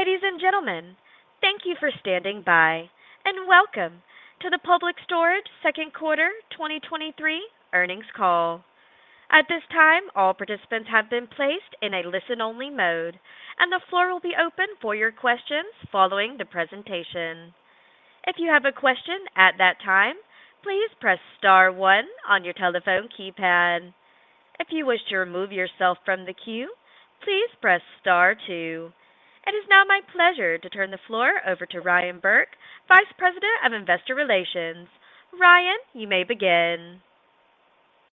Ladies and gentlemen, thank you for standing by, and welcome to the Public Storage second quarter 2023 earnings call. At this time, all participants have been placed in a listen-only mode, and the floor will be open for your questions following the presentation. If you have a question at that time, please press star one on your telephone keypad. If you wish to remove yourself from the queue, please press star two. It is now my pleasure to turn the floor over to Ryan Burke, Vice President of Investor Relations. Ryan, you may begin.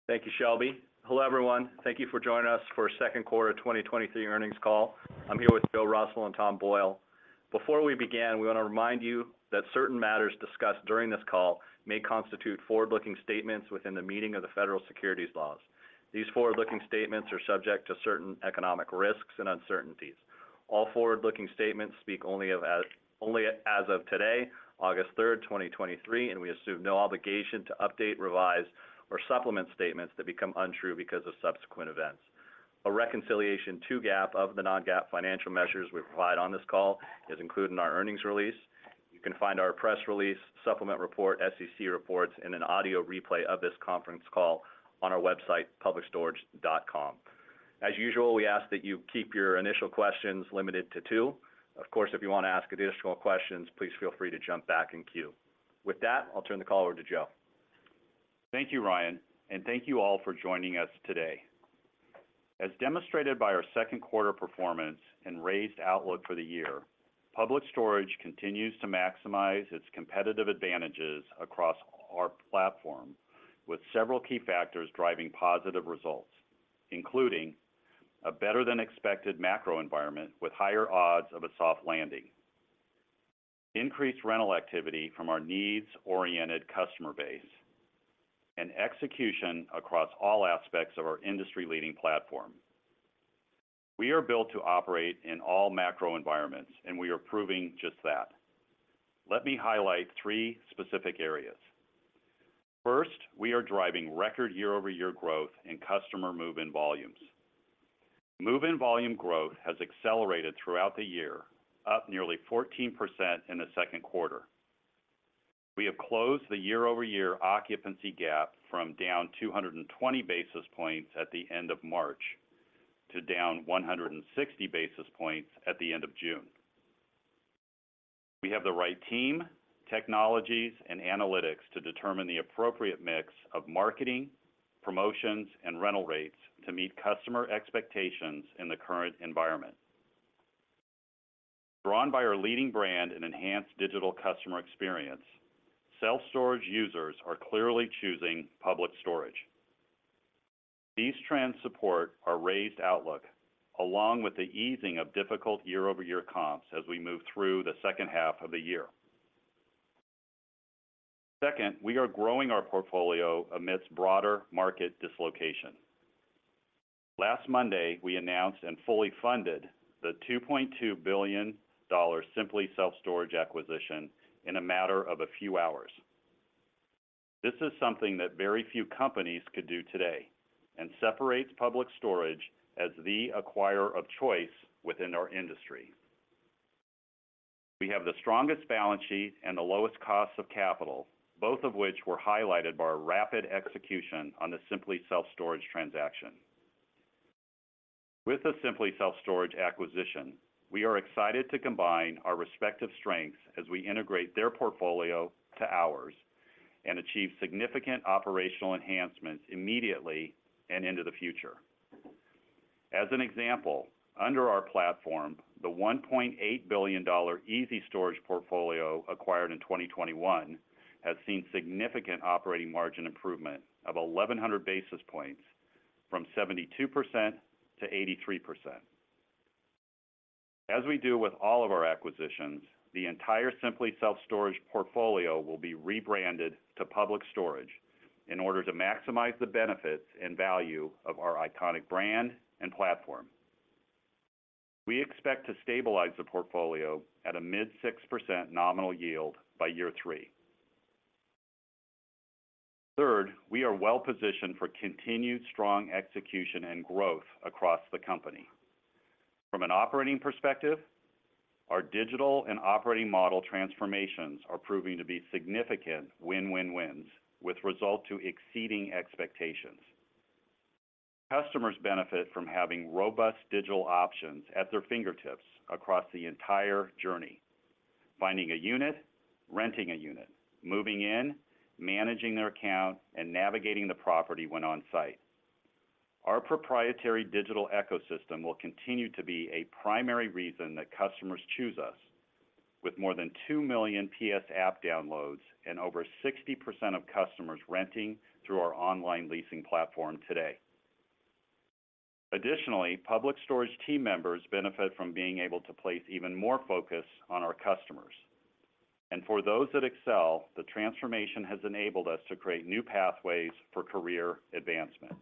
Thank you, Shelby. Hello, everyone. Thank you for joining us for our second quarter 2023 earnings call. I'm here with Joe Russell and Tom Boyle. Before we begin, we want to remind you that certain matters discussed during this call may constitute forward-looking statements within the meaning of the federal securities laws. These forward-looking statements are subject to certain economic risks and uncertainties. All forward-looking statements speak only as of today, August 3, 2023, and we assume no obligation to update, revise, or supplement statements that become untrue because of subsequent events. A reconciliation to GAAP of the non-GAAP financial measures we provide on this call is included in our earnings release. You can find our press release, supplement report, SEC reports, and an audio replay of this conference call on our website, publicstorage.com. As usual, we ask that you keep your initial questions limited to two. Of course, if you want to ask additional questions, please feel free to jump back in queue. With that, I'll turn the call over to Joe. Thank you, Ryan, and thank you all for joining us today. As demonstrated by our second quarter performance and raised outlook for the year, Public Storage continues to maximize its competitive advantages across our platform, with several key factors driving positive results, including a better-than-expected macro environment with higher odds of a soft landing, increased rental activity from our needs-oriented customer base, and execution across all aspects of our industry-leading platform. We are built to operate in all macro environments, and we are proving just that. Let me highlight three specific areas. First, we are driving record year-over-year growth in customer move-in volumes. Move-in volume growth has accelerated throughout the year, up nearly 14% in the second quarter. We have closed the year-over-year occupancy gap from down 220 basis points at the end of March, to down 160 basis points at the end of June. We have the right team, technologies, and analytics to determine the appropriate mix of marketing, promotions, and rental rates to meet customer expectations in the current environment. Drawn by our leading brand and enhanced digital customer experience, self-storage users are clearly choosing Public Storage. These trends support our raised outlook, along with the easing of difficult year-over-year comps as we move through the second half of the year. Second, we are growing our portfolio amidst broader market dislocation. Last Monday, we announced and fully funded the $2.2 billion Simply Self Storage acquisition in a matter of a few hours. This is something that very few companies could do today and separates Public Storage as the acquirer of choice within our industry. We have the strongest balance sheet and the lowest cost of capital, both of which were highlighted by our rapid execution on the Simply Self Storage transaction. With the Simply Self Storage acquisition, we are excited to combine our respective strengths as we integrate their portfolio to ours and achieve significant operational enhancements immediately and into the future. As an example, under our platform, the $1.8 billion ezStorage portfolio, acquired in 2021, has seen significant operating margin improvement of 1,100 basis points from 72% to 83%. As we do with all of our acquisitions, the entire Simply Self Storage portfolio will be rebranded to Public Storage in order to maximize the benefits and value of our iconic brand and platform. We expect to stabilize the portfolio at a mid 6% nominal yield by year three. Third, we are well positioned for continued strong execution and growth across the company. From an operating perspective, our digital and operating model transformations are proving to be significant win-win-wins, with result to exceeding expectations. Customers benefit from having robust digital options at their fingertips across the entire journey: finding a unit, renting a unit, moving in, managing their account, and navigating the property when on site. Our proprietary digital ecosystem will continue to be a primary reason that customers choose us, with more than 2 million PS app downloads and over 60% of customers renting through our online leasing platform today. Additionally, Public Storage team members benefit from being able to place even more focus on our customers. For those that excel, the transformation has enabled us to create new pathways for career advancement.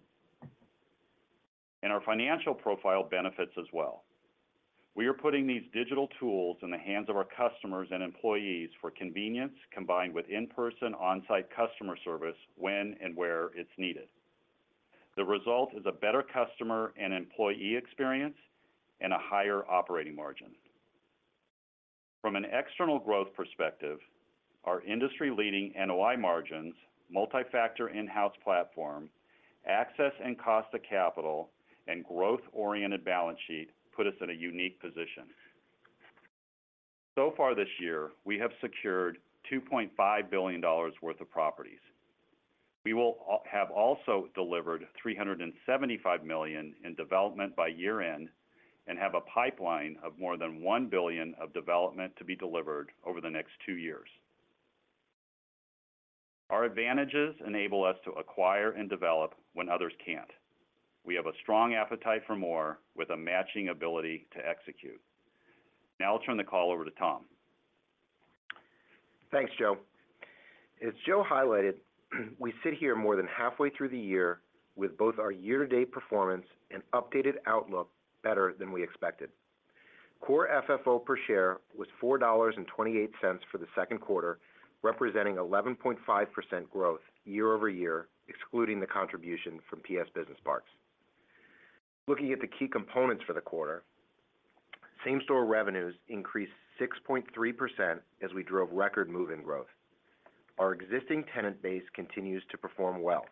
Our financial profile benefits as well. We are putting these digital tools in the hands of our customers and employees for convenience, combined with in-person, on-site customer service when and where it's needed. The result is a better customer and employee experience and a higher operating margin. From an external growth perspective, our industry-leading NOI margins, multi-factor in-house platform, access and cost of capital, and growth-oriented balance sheet put us in a unique position. Far this year, we have secured $2.5 billion worth of properties. We will have also delivered $375 million in development by year-end and have a pipeline of more than $1 billion of development to be delivered over the next two years. Our advantages enable us to acquire and develop when others can't. We have a strong appetite for more, with a matching ability to execute. Now I'll turn the call over to Tom. Thanks, Joe. As Joe highlighted, we sit here more than halfway through the year with both our year-to-date performance and updated outlook better than we expected. Core FFO per share was $4.28 for the second quarter, representing 11.5% growth year-over-year, excluding the contribution from PS Business Parks. Looking at the key components for the quarter, same-store revenues increased 6.3% as we drove record move-in growth. Our existing tenant base continues to perform well,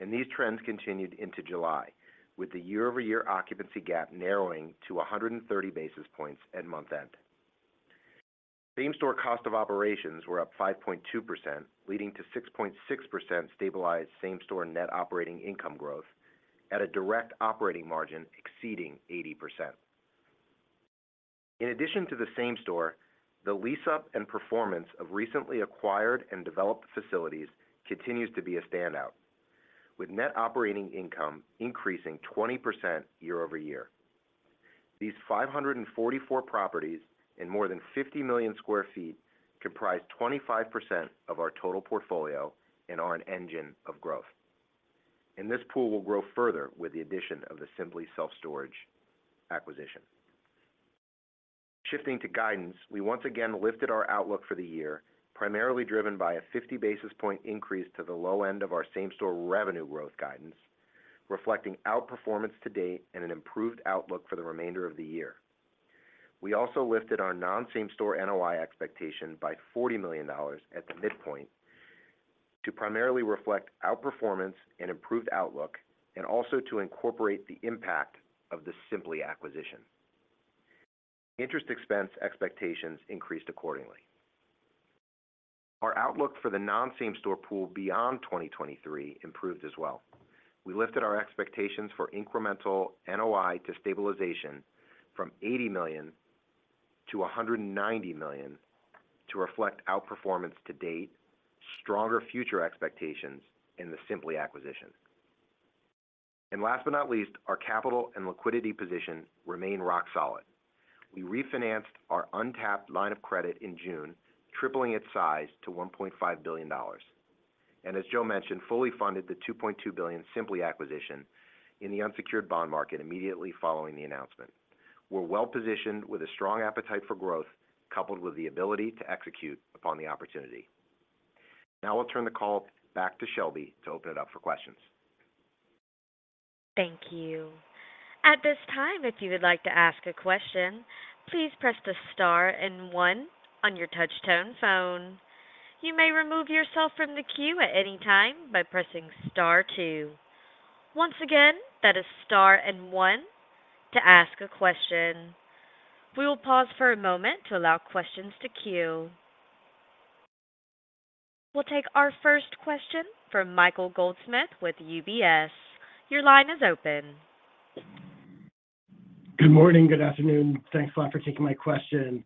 and these trends continued into July, with the year-over-year occupancy gap narrowing to 130 basis points at month-end. Same-store cost of operations were up 5.2%, leading to 6.6% stabilized same-store net operating income growth at a direct operating margin exceeding 80%. In addition to the same store, the lease-up and performance of recently acquired and developed facilities continues to be a standout, with net operating income increasing 20% year-over-year. These 544 properties in more than 50 million sq ft comprise 25% of our total portfolio and are an engine of growth. This pool will grow further with the addition of the Simply Self Storage acquisition. Shifting to guidance, we once again lifted our outlook for the year, primarily driven by a 50 basis point increase to the low end of our same-store revenue growth guidance, reflecting outperformance to date and an improved outlook for the remainder of the year. We also lifted our non-same-store NOI expectation by $40 million at the midpoint to primarily reflect outperformance and improved outlook, and also to incorporate the impact of the Simply acquisition. Interest expense expectations increased accordingly. Our outlook for the non-same-store pool beyond 2023 improved as well. We lifted our expectations for incremental NOI to stabilization from $80 million-$190 million to reflect outperformance to date, stronger future expectations in the Simply acquisition. Last but not least, our capital and liquidity position remain rock solid. We refinanced our untapped line of credit in June, tripling its size to $1.5 billion. As Joe mentioned, fully funded the $2.2 billion Simply acquisition in the unsecured bond market immediately following the announcement. We're well positioned with a strong appetite for growth, coupled with the ability to execute upon the opportunity. Now I'll turn the call back to Shelby to open it up for questions. Thank you. At this time, if you would like to ask a question, please press the star one on your touch tone phone. You may remove yourself from the queue at any time by pressing star two. Once again, that is star and one to ask a question. We will pause for a moment to allow questions to queue. We'll take our first question from Michael Goldsmith with UBS. Your line is open. Good morning. Good afternoon. Thanks a lot for taking my question.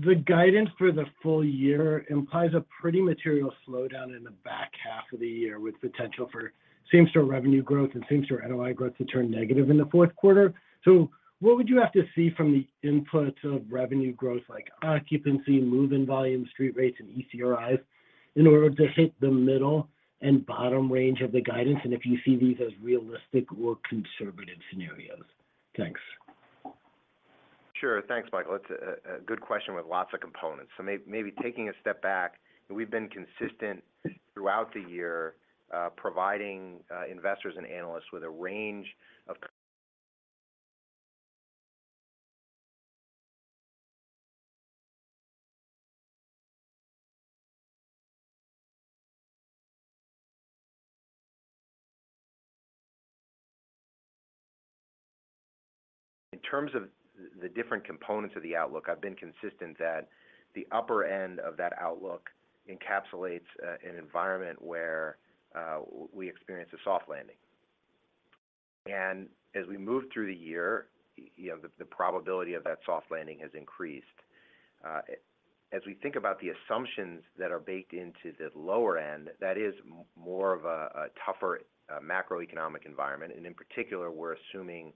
The guidance for the full year implies a pretty material slowdown in the back half of the year, with potential for same-store revenue growth and same-store NOI growth to turn negative in the fourth quarter. What would you have to see from the inputs of revenue growth like occupancy, move-in volume, street rates, and ECRI in order to hit the middle and bottom range of the guidance, and if you see these as realistic or conservative scenarios? Thanks. Sure. Thanks, Michael. It's a good question with lots of components. Taking a step back, we've been consistent throughout the year, providing investors and analysts with a range of- In terms of the different components of the outlook, I've been consistent that the upper end of that outlook encapsulates an environment where we experience a soft landing. As we move through the year, you know, the probability of that soft landing has increased. As we think about the assumptions that are baked into the lower end, that is more of a tougher macroeconomic environment. In particular, we're assuming-...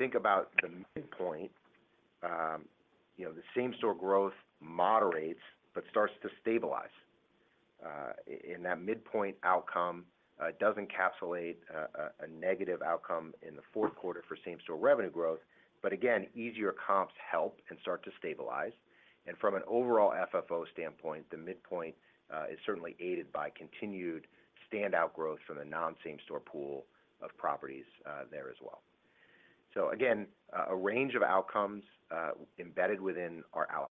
Think about the midpoint, you know, the same-store growth moderates but starts to stabilize. And that midpoint outcome does encapsulate a negative outcome in the fourth quarter for same-store revenue growth. Again, easier comps help and start to stabilize. From an overall FFO standpoint, the midpoint is certainly aided by continued standout growth from the non-same store pool of properties there as well. Again, a range of outcomes embedded within our out-.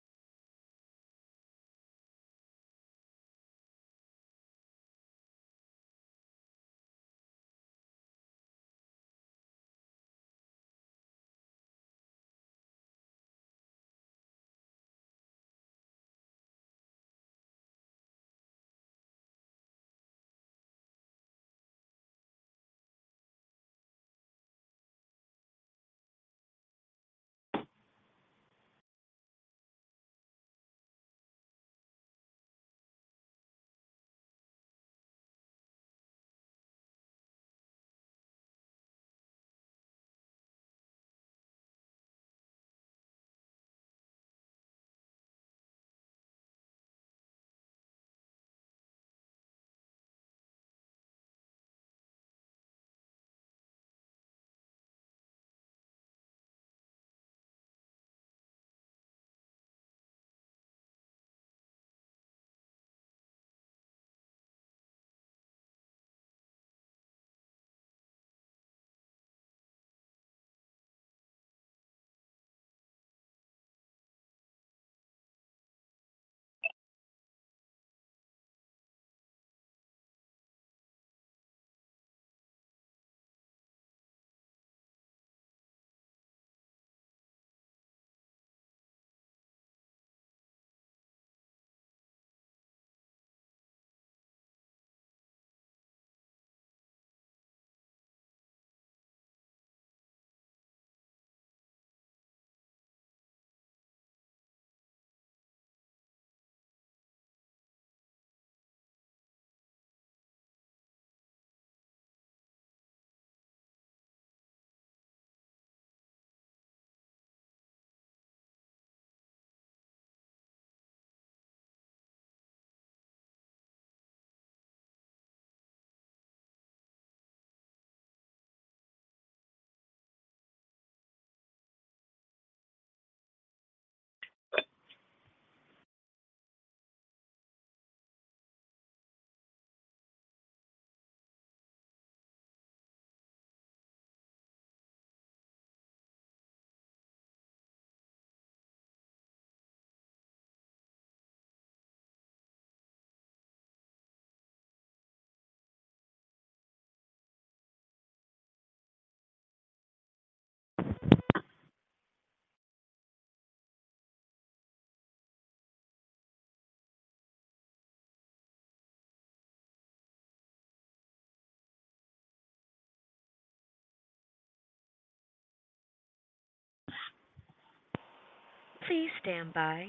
Please stand by.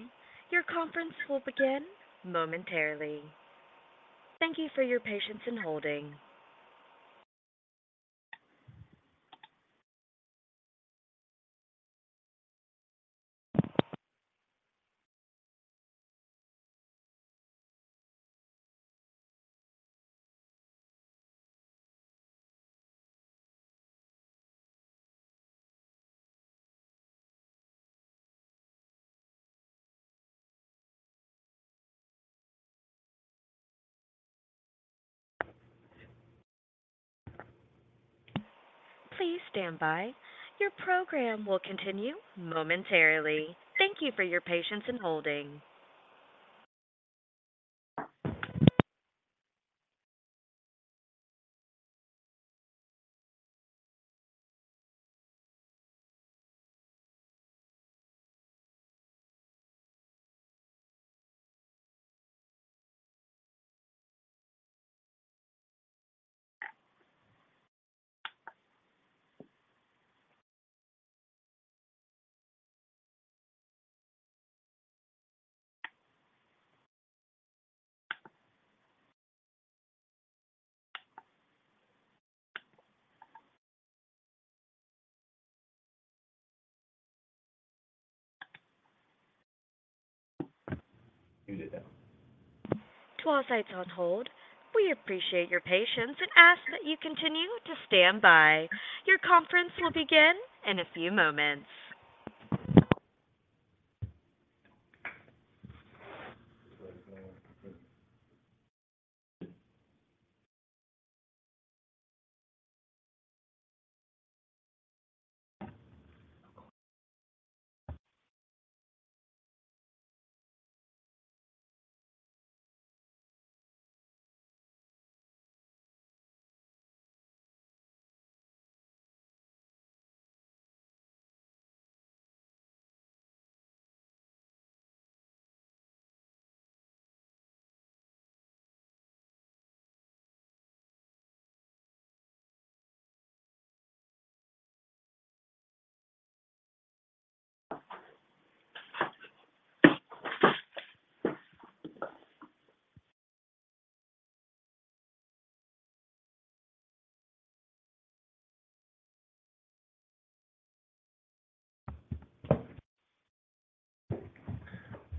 Your conference will begin momentarily. Thank you for your patience in holding. Please stand by. Your program will continue momentarily. Thank you for your patience in holding. You did that. Twice I told, we appreciate your patience and ask that you continue to stand by. Your conference will begin in a few moments.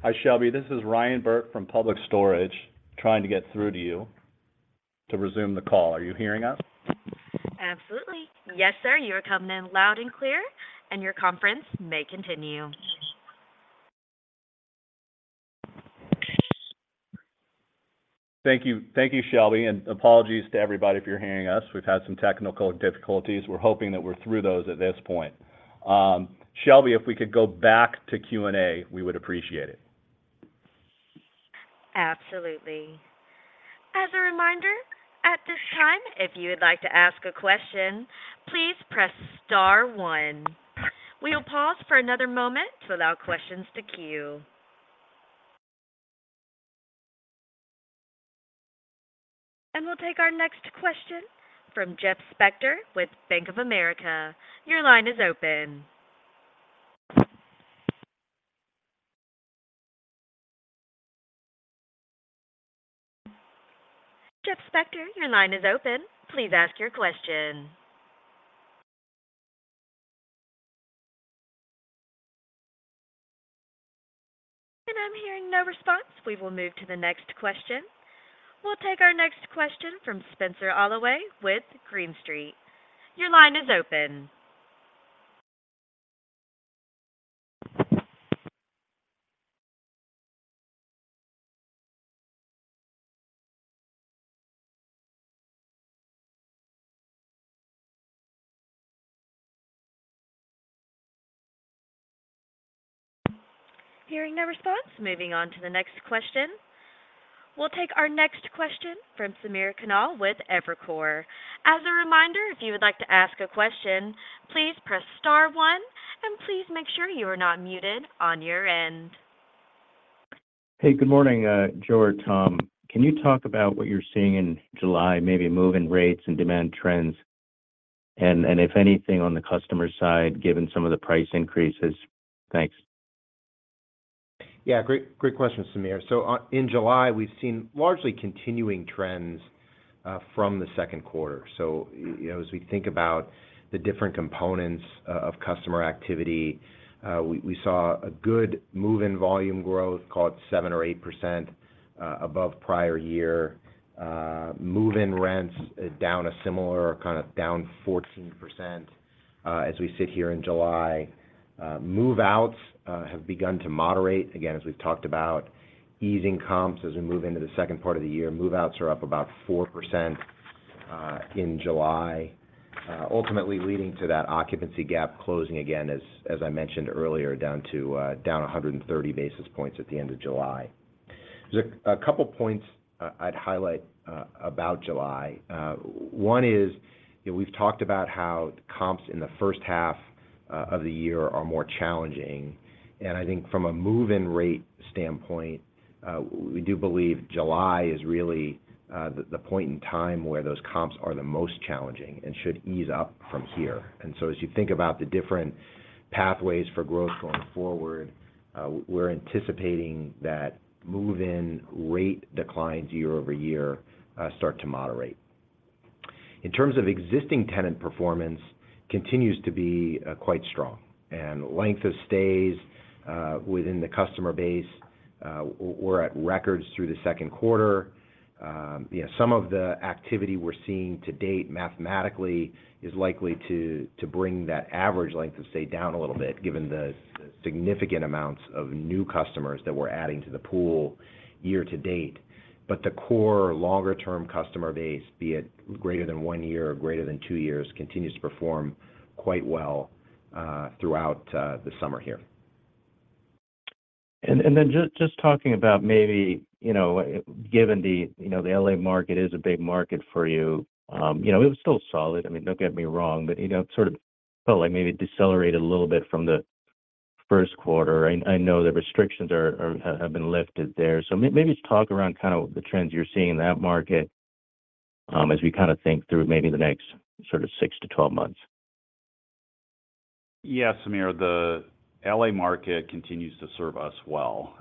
Hi, Shelby. This is Ryan Burke from Public Storage, trying to get through to you to resume the call. Are you hearing us? Absolutely. Yes, sir, you are coming in loud and clear, and your conference may continue. Thank you. Thank you, Shelby. Apologies to everybody if you're hearing us. We've had some technical difficulties. We're hoping that we're through those at this point. Shelby, if we could go back to Q&A, we would appreciate it. Absolutely. As a reminder, at this time, if you would like to ask a question, please press star one. We'll pause for another moment to allow questions to queue. We'll take our next question from Jeff Spector with Bank of America. Your line is open. Jeff Spector, your line is open. Please ask your question. I'm hearing no response. We will move to the next question. We'll take our next question from Spenser Allaway with Green Street. Your line is open. Hearing no response, moving on to the next question. We'll take our next question from Samir Khanal with Evercore. As a reminder, if you would like to ask a question, please press star one, and please make sure you are not muted on your end. Hey, good morning, Joe or Tom. Can you talk about what you're seeing in July, maybe move-in rates and demand trends, and, and if anything, on the customer side, given some of the price increases? Thanks. Yeah, great, great question, Samir. In July, we've seen largely continuing trends from the second quarter. You know, as we think about the different components of customer activity, we saw a good move-in volume growth, call it 7% or 8% above prior year. Move-in rents down a similar or kind of down 14% as we sit here in July. Move-outs have begun to moderate. Again, as we've talked about, easing comps as we move into the second part of the year. Move-outs are up about 4% in July, ultimately leading to that occupancy gap closing again, as I mentioned earlier, down to down 130 basis points at the end of July. There's a couple points I'd highlight about July. One is, you know, we've talked about how comps in the first half of the year are more challenging, and I think from a move-in rate standpoint, we do believe July is really the, the point in time where those comps are the most challenging and should ease up from here. As you think about the different pathways for growth going forward, we're anticipating that move-in rate declines year-over-year, start to moderate. In terms of existing tenant performance, continues to be quite strong, and length of stays within the customer base, we're at records through the second quarter. Yeah, some of the activity we're seeing to date, mathematically, is likely to bring that average length of stay down a little bit, given the significant amounts of new customers that we're adding to the pool year to date. The core longer-term customer base, be it greater than one year or greater than two years, continues to perform quite well throughout the summer here. Then just talking about maybe, you know, given the, you know, the L.A. market is a big market for you, you know, it was still solid. I mean, don't get me wrong, but, you know, it sort of felt like maybe it decelerated a little bit from the first quarter. I, I know the restrictions are, are, have been lifted there. Maybe just talk around kind of the trends you're seeing in that market, as we kind of think through maybe the next sort of 6-12 months. Yeah, Samir, the LA market continues to serve us well.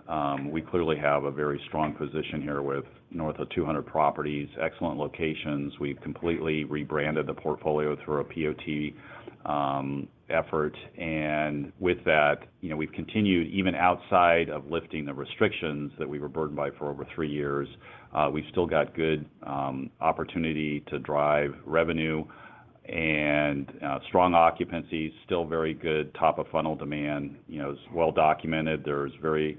We clearly have a very strong position here with north of 200 properties, excellent locations. We've completely rebranded the portfolio through a POT effort, and with that, you know, we've continued, even outside of lifting the restrictions that we were burdened by for over three years, we've still got good opportunity to drive revenue and strong occupancy, still very good top-of-funnel demand. You know, it's well documented. There's very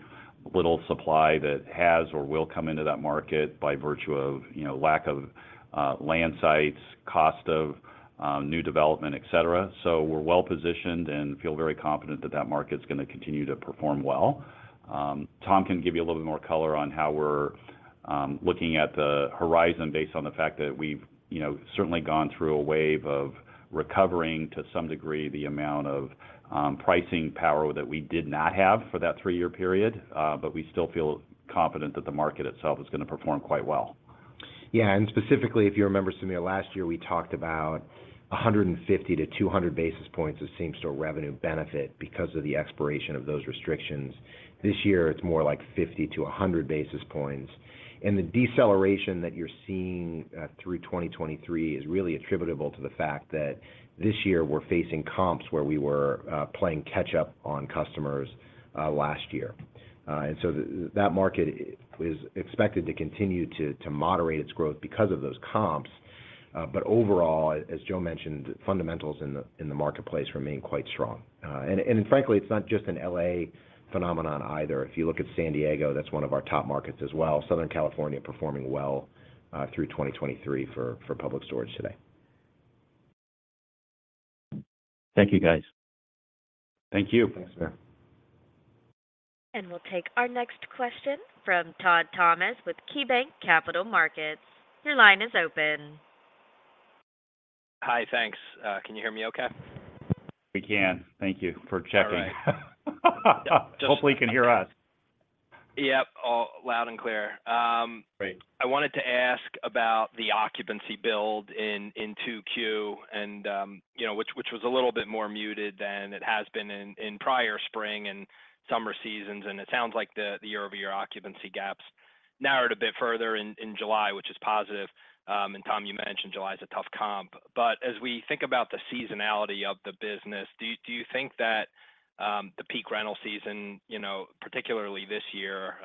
little supply that has or will come into that market by virtue of, you know, lack of land sites, cost of new development, et cetera. We're well-positioned and feel very confident that that market's gonna continue to perform well. Tom can give you a little bit more color on how we're looking at the horizon based on the fact that we've, you know, certainly gone through a wave of recovering, to some degree, the amount of pricing power that we did not have for that three-year period, but we still feel confident that the market itself is gonna perform quite well. Yeah, specifically, if you remember, Samir, last year, we talked about 150-200 basis points of same-store revenue benefit because of the expiration of those restrictions. This year, it's more like 50-100 basis points. The deceleration that you're seeing through 2023 is really attributable to the fact that this year we're facing comps where we were playing catch-up on customers last year. So that market is expected to continue to, to moderate its growth because of those comps. Overall, as Joe mentioned, fundamentals in the marketplace remain quite strong. And, frankly, it's not just an L.A. phenomenon either. If you look at San Diego, that's one of our top markets as well. Southern California performing well, through 2023 for Public Storage today. Thank you, guys. Thank you. Thanks, Samir. We'll take our next question from Todd Thomas with KeyBanc Capital Markets. Your line is open. Hi, thanks. Can you hear me okay? We can. Thank you for checking. All right. Hopefully, you can hear us. Yep, all loud and clear. Great. I wanted to ask about the occupancy build in, in 2Q, and, you know, which, which was a little bit more muted than it has been in, in prior spring and summer seasons, and it sounds like the, the year-over-year occupancy gaps narrowed a bit further in, in July, which is positive. Tom, you mentioned July is a tough comp. As we think about the seasonality of the business, do you, do you think that the peak rental season, you know, particularly this year,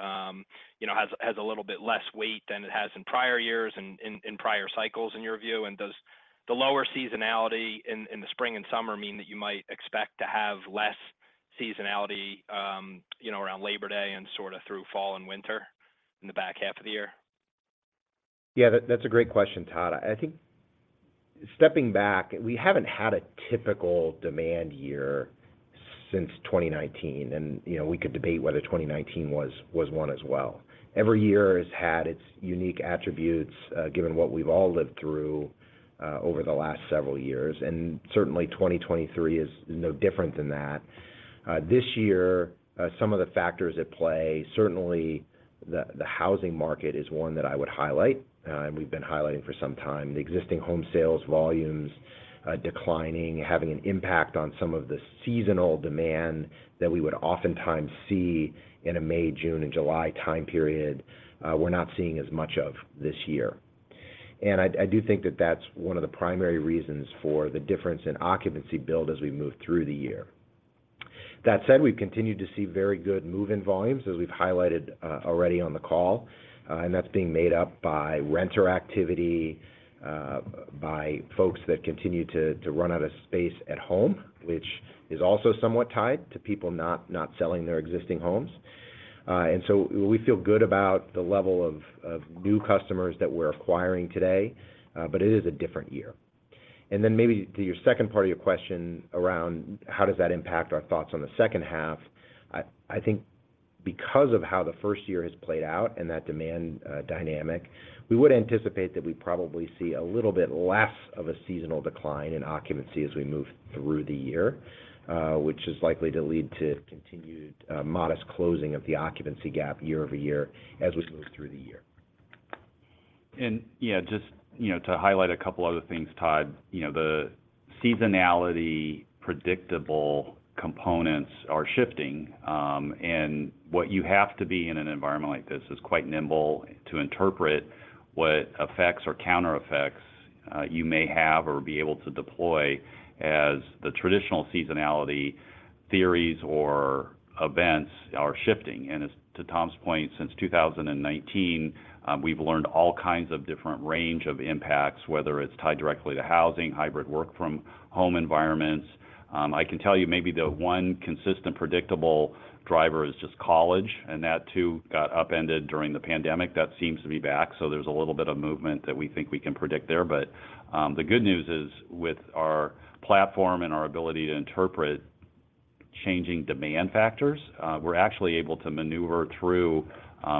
you know, has, has a little bit less weight than it has in prior years and in, in prior cycles in your view? Does the lower seasonality in, in the spring and summer mean that you might expect to have less seasonality, you know, around Labor Day and sort of through fall and winter in the back half of the year? Yeah, that's a great question, Todd. I think stepping back, we haven't had a typical demand year since 2019, and, you know, we could debate whether 2019 was, was one as well. Every year has had its unique attributes, given what we've all lived through over the last several years, and certainly 2023 is no different than that. This year, some of the factors at play, certainly the, the housing market is one that I would highlight, and we've been highlighting for some time. The existing home sales volumes, declining, having an impact on some of the seasonal demand that we would oftentimes see in a May, June, and July time period, we're not seeing as much of this year. I, I do think that that's one of the primary reasons for the difference in occupancy build as we move through the year. That said, we've continued to see very good move-in volumes, as we've highlighted already on the call, and that's being made up by renter activity by folks that continue to, to run out of space at home, which is also somewhat tied to people not, not selling their existing homes. We feel good about the level of, of new customers that we're acquiring today, but it is a different year. Maybe to your second part of your question around how does that impact our thoughts on the second half? I, I think because of how the first year has played out and that demand dynamic, we would anticipate that we probably see a little bit less of a seasonal decline in occupancy as we move through the year, which is likely to lead to continued modest closing of the occupancy gap year-over-year as we move through the year. Yeah, just, you know, to highlight a couple other things, Todd. You know, the seasonality, predictable components are shifting, and what you have to be in an environment like this is quite nimble to interpret what effects or counter effects you may have or be able to deploy as the traditional seasonality theories or events are shifting. As to Tom's point, since 2019, we've learned all kinds of different range of impacts, whether it's tied directly to housing, hybrid work from home environments. I can tell you maybe the one consistent, predictable driver is just college, and that too got upended during the pandemic. That seems to be back, so there's a little bit of movement that we think we can predict there. The good news is, with our platform and our ability to interpret changing demand factors, we're actually able to maneuver through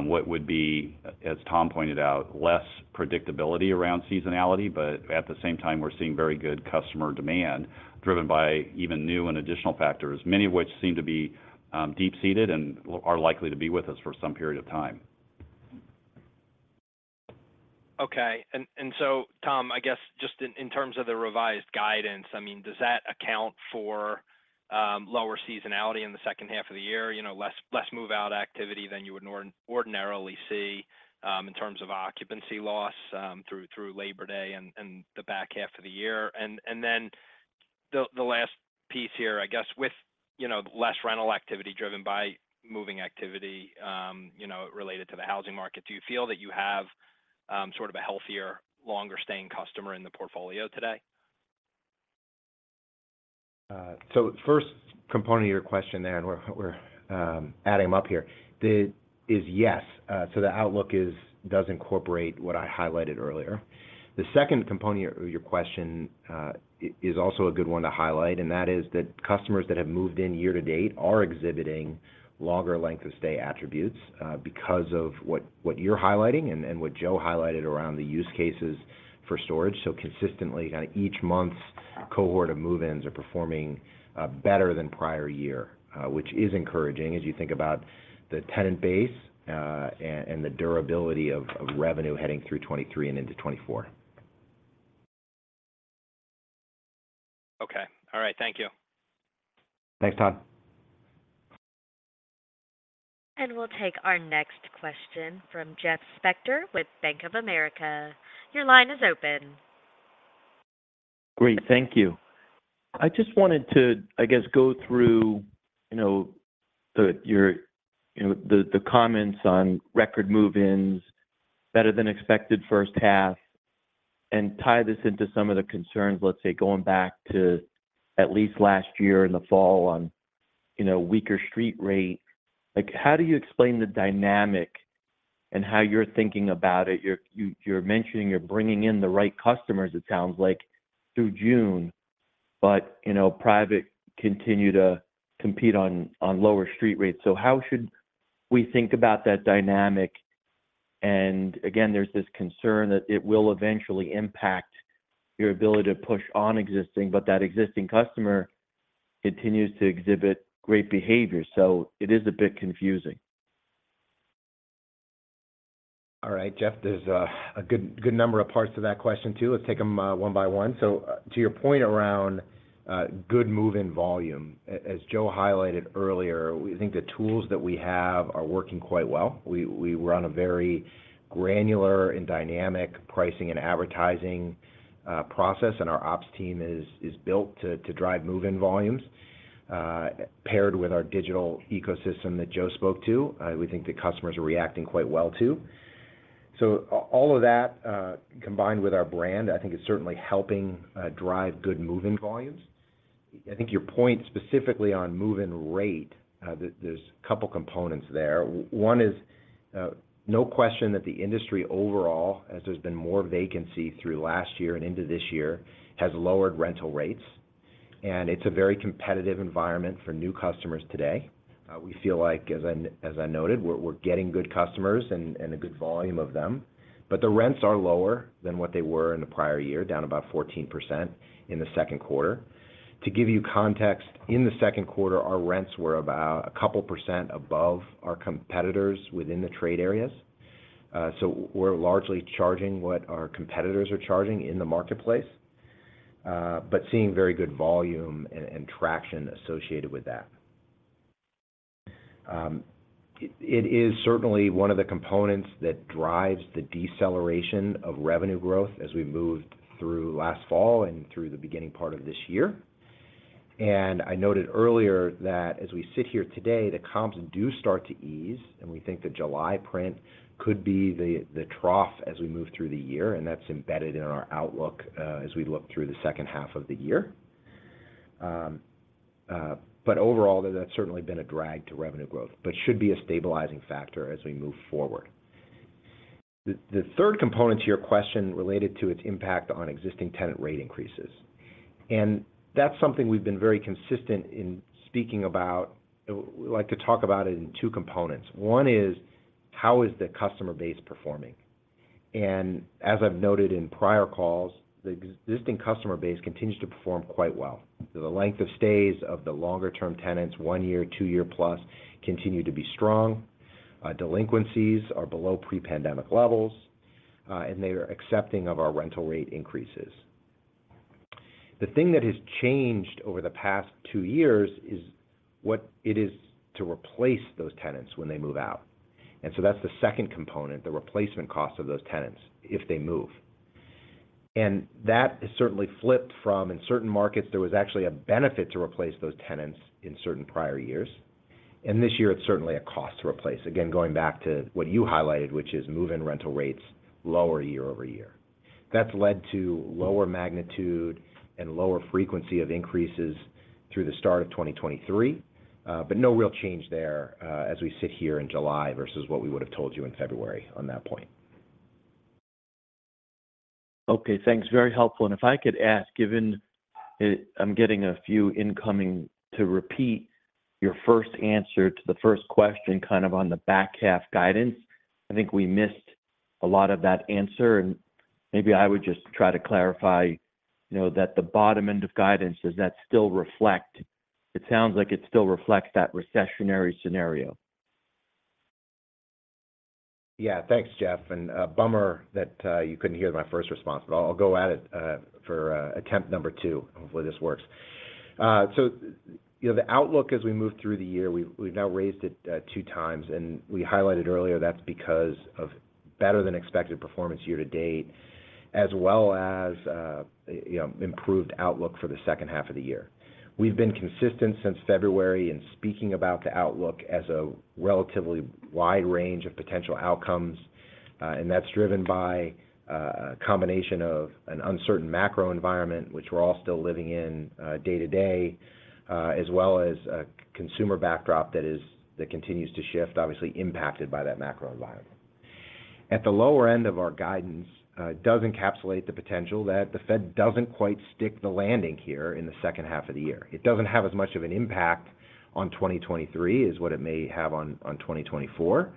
what would be, as Tom pointed out, less predictability around seasonality. At the same time, we're seeing very good customer demand driven by even new and additional factors, many of which seem to be deep-seated and are likely to be with us for some period of time. Okay. Tom, I guess just in, in terms of the revised guidance, I mean, does that account for, lower seasonality in the second half of the year? You know, less, less move-out activity than you would ordinarily see, in terms of occupancy loss, through, through Labor Day and, and the back half of the year. Then the, the last piece here, I guess, with, you know, less rental activity driven by moving activity, you know, related to the housing market, do you feel that you have, sort of a healthier, longer-staying customer in the portfolio today? The first component of your question there, and we're, we're adding them up here, is yes. The outlook does incorporate what I highlighted earlier. The second component of your question, is also a good one to highlight, and that is that customers that have moved in year to date are exhibiting longer length of stay attributes, because of what, what you're highlighting and, and what Joe highlighted around the use cases for storage. Consistently, each month's cohort of move-ins are performing better than prior year, which is encouraging as you think about the tenant base, and, and the durability of, of revenue heading through 2023 and into 2024. Okay. All right. Thank you. Thanks, Todd. We'll take our next question from Jeff Spector with Bank of America. Your line is open. Great. Thank you. I just wanted to, I guess, go through, you know, your, you know, the, the comments on record move-ins, better than expected first half, and tie this into some of the concerns, let's say, going back to at least last year in the fall on, you know, weaker street rate. Like, how do you explain the dynamic and how you're thinking about it? You're mentioning you're bringing in the right customers, it sounds like, through June, but, you know, private continue to compete on, on lower street rates. How should we think about that dynamic? Again, there's this concern that it will eventually impact your ability to push on existing, but that existing customer continues to exhibit great behavior, so it is a bit confusing. All right, Jeff, there's a good, good number of parts to that question, too. Let's take them one by one. To your point around good move-in volume, as Joe highlighted earlier, we think the tools that we have are working quite well. We run a very granular and dynamic pricing and advertising process, and our ops team is built to drive move-in volumes, paired with our digital ecosystem that Joe spoke to, we think the customers are reacting quite well to. All of that combined with our brand, I think is certainly helping drive good move-in volumes. I think your point specifically on move-in rate, there's a couple components there. One is, no question that the industry overall, as there's been more vacancy through last year and into this year, has lowered rental rates, and it's a very competitive environment for new customers today. We feel like, as I, as I noted, we're, we're getting good customers and, and a good volume of them, but the rents are lower than what they were in the prior year, down about 14% in the second quarter. To give you context, in the second quarter, our rents were about a couple % above our competitors within the trade areas. We're largely charging what our competitors are charging in the marketplace, but seeing very good volume and traction associated with that. It, it is certainly one of the components that drives the deceleration of revenue growth as we moved through last fall and through the beginning part of this year. I noted earlier that as we sit here today, the comps do start to ease, and we think the July print could be the, the trough as we move through the year, and that's embedded in our outlook as we look through the second half of the year. Overall, that's certainly been a drag to revenue growth, but should be a stabilizing factor as we move forward. The, the third component to your question related to its impact on existing tenant rate increases, and that's something we've been very consistent in speaking about. We like to talk about it in two components. One is: how is the customer base performing? As I've noted in prior calls, the existing customer base continues to perform quite well. The length of stays of the longer-term tenants, one year, two year plus, continue to be strong. Delinquencies are below pre-pandemic levels, and they are accepting of our rental rate increases. The thing that has changed over the past two years is what it is to replace those tenants when they move out. That's the second component, the replacement cost of those tenants if they move. That has certainly flipped from, in certain markets, there was actually a benefit to replace those tenants in certain prior years, and this year it's certainly a cost to replace. Again, going back to what you highlighted, which is move-in rental rates lower year-over-year. That's led to lower magnitude and lower frequency of increases through the start of 2023, but no real change there, as we sit here in July versus what we would have told you in February on that point. Okay, thanks. Very helpful. If I could ask, given, I'm getting a few incoming, to repeat your first answer to the first question, kind of on the back half guidance. I think we missed a lot of that answer, and maybe I would just try to clarify, you know, that the bottom end of guidance, does that still reflect-- It sounds like it still reflects that recessionary scenario. Yeah. Thanks, Jeff. A bummer that you couldn't hear my first response, but I'll, I'll go at it for attempt number 2. Hopefully, this works. You know, the outlook as we moved through the year, we've, we've now raised it 2x, and we highlighted earlier that's because of better than expected performance year to date, as well as, you know, improved outlook for the 2nd half of the year. We've been consistent since February in speaking about the outlook as a relatively wide range of potential outcomes, and that's driven by a, a combination of an uncertain macro environment, which we're all still living in day to day, as well as a consumer backdrop that continues to shift, obviously impacted by that macro environment. at the lower end of our guidance, does encapsulate the potential that the Fed doesn't quite stick the landing here in the second half of the year. It doesn't have as much of an impact on 2023, as what it may have on, on 2024,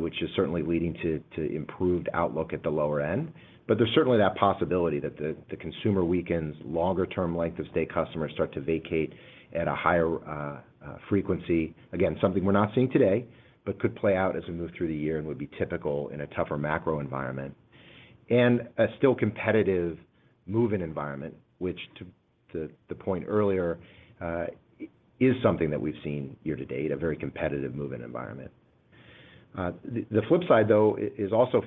which is certainly leading to, to improved outlook at the lower end. There's certainly that possibility that the, the consumer weakens, longer-term length of stay customers start to vacate at a higher frequency. Again, something we're not seeing today, but could play out as we move through the year and would be typical in a tougher macro environment. A still competitive move-in environment, which, to, to the point earlier, is something that we've seen year to date, a very competitive move-in environment. The, the flip side, though, is also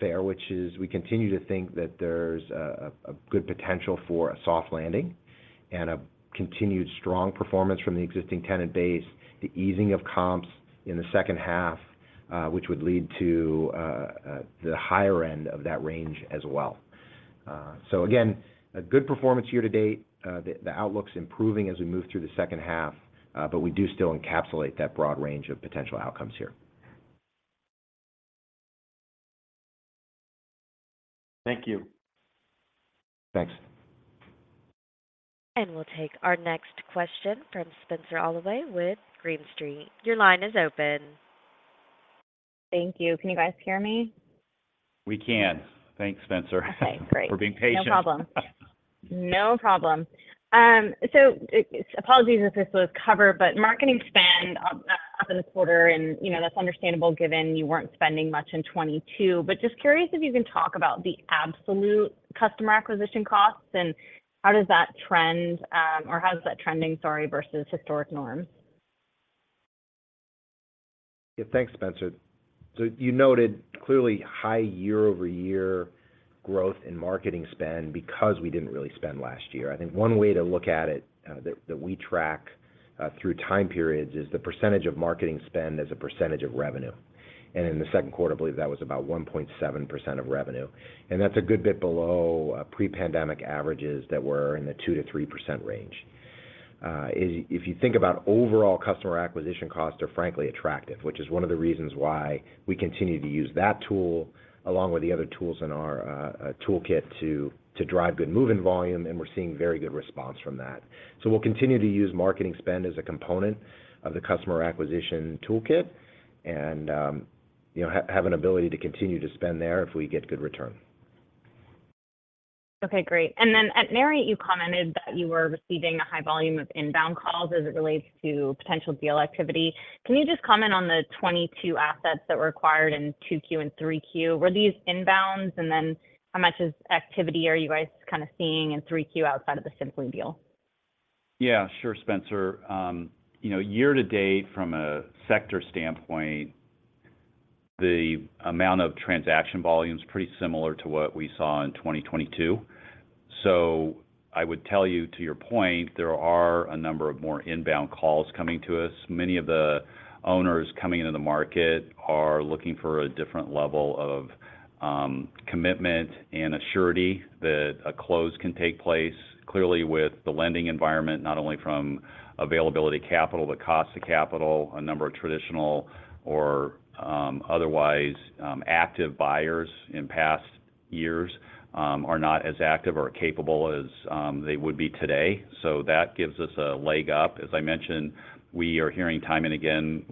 fair, which is we continue to think that there's a, a good potential for a soft landing and a continued strong performance from the existing tenant base, the easing of comps in the second half, which would lead to the higher end of that range as well. Again, a good performance year to date, the, the outlook's improving as we move through the second half, but we do still encapsulate that broad range of potential outcomes here. Thank you. Thanks. We'll take our next question from Spenser Allaway with Green Street. Your line is open. Thank you. Can you guys hear me? We can. Thanks, Spencer. Okay, great. For being patient. No problem. No problem. Apologies if this was covered, but marketing spend, up in the quarter and, you know, that's understandable, given you weren't spending much in 2022. Just curious if you can talk about the absolute customer acquisition costs, and how does that trend, or how is that trending, sorry, versus historic norms? Yeah. Thanks, Spencer. You noted clearly high year-over-year growth in marketing spend because we didn't really spend last year. I think one way to look at it, that, that we track, through time periods, is the percentage of marketing spend as a percentage of revenue. In the second quarter, I believe that was about 1.7% of revenue, and that's a good bit below, pre-pandemic averages that were in the 2%-3% range. If, if you think about overall customer acquisition costs are frankly attractive, which is one of the reasons why we continue to use that tool, along with the other tools in our, toolkit, to, to drive good move-in volume, and we're seeing very good response from that. We'll continue to use marketing spend as a component of the customer acquisition toolkit and, you know, have an ability to continue to spend there if we get good return. Okay, great. At NAREIT, you commented that you were receiving a high volume of inbound calls as it relates to potential deal activity. Can you just comment on the 22 assets that were acquired in 2Q and 3Q? Were these inbounds? Then, how much is activity are you guys kind of seeing in 3Q outside of the Simply deal? Yeah, sure, Spencer. you know, year to date, from a sector standpoint, the amount of transaction volume is pretty similar to what we saw in 2022. I would tell you, to your point, there are a number of more inbound calls coming to us. Many of the owners coming into the market are looking for a different level of commitment and assurity that a close can take place. Clearly, with the lending environment, not only from availability capital, but cost of capital, a number of traditional or otherwise active buyers in past years are not as active or capable as they would be today. That gives us a leg up. As I mentioned, we are hearing time and again,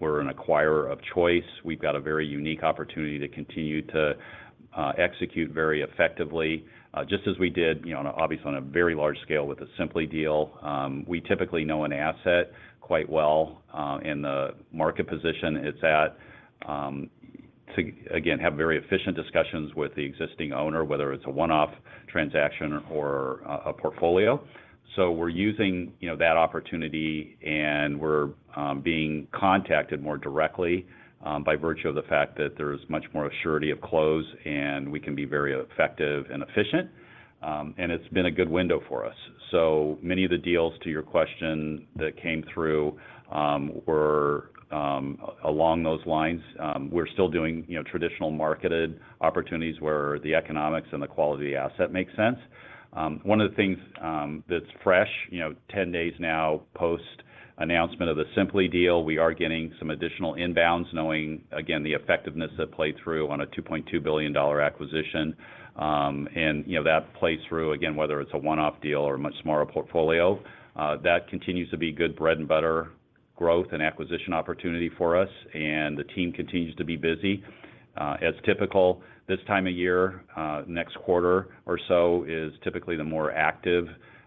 we're an acquirer of choice. We've got a very unique opportunity to continue to execute very effectively, just as we did, you know, on a, obviously, on a very large scale with a Simply deal. We typically know an asset quite well, in the market position it's at, to, again, have very efficient discussions with the existing owner, whether it's a one-off transaction or a, a portfolio. We're using, you know, that opportunity, and we're being contacted more directly, by virtue of the fact that there's much more assurity of close, and we can be very effective and efficient, and it's been a good window for us. Many of the deals, to your question, that came through, were along those lines. We're still doing, you know, traditional marketed opportunities where the economics and the quality of the asset makes sense. One of the things, that's fresh, you know, 10 days now, post-announcement of the Simply deal, we are getting some additional inbounds, knowing, again, the effectiveness that played through on a $2.2 billion acquisition. You know, that plays through, again, whether it's a one-off deal or a much smaller portfolio. That continues to be good bread-and-butter growth and acquisition opportunity for us, and the team continues to be busy. As typical, this time of year, next quarter or so, is typically the more active,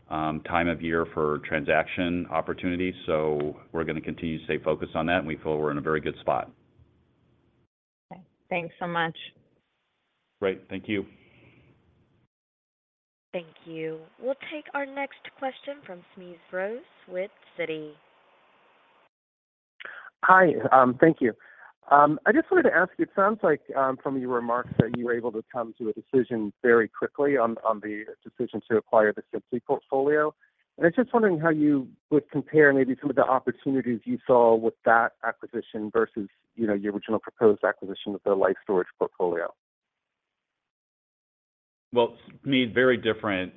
time of year for transaction opportunities, so we're going to continue to stay focused on that, and we feel we're in a very good spot. Okay. Thanks so much. Great. Thank you. Thank you. We'll take our next question from Smedes Rose with Citi. Hi, thank you. I just wanted to ask you, it sounds like, from your remarks, that you were able to come to a decision very quickly on, on the decision to acquire the Simply portfolio. I'm just wondering how you would compare maybe some of the opportunities you saw with that acquisition versus, you know, your original proposed acquisition of the Life Storage portfolio? Well, I mean, very different,